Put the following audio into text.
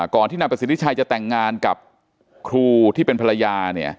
ที่นายประสิทธิชัยจะแต่งงานกับครูที่เป็นภรรยา